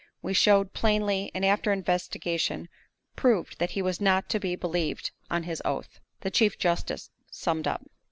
We showed plainly, and after investigation proved, that he was not to be believed on his oath. The chief justice summed up.